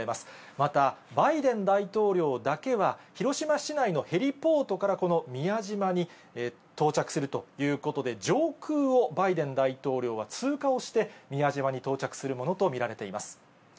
また、バイデン大統領だけは、広島市内のヘリポートからこの宮島に到着するということで、上空をバイデン大統領は通過をして、宮島に到着するものと見られています。